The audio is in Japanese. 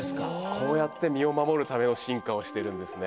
こうやって身を守るための進化をしてるんですね